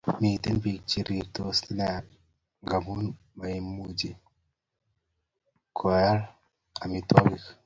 Miten pik che rirtos nea ngamu maimuche koyal amitwakik